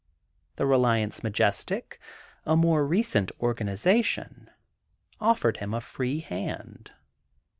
The Reliance Majestic, a more recent organization, offered him a free hand.